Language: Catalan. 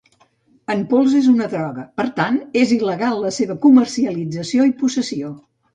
En pols és una droga, per tant és il·legal la seva comercialització i possessió.